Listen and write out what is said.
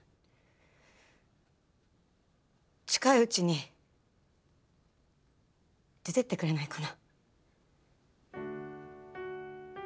近いうちに出てってくれないかな。